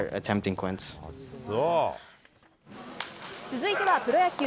続いてはプロ野球。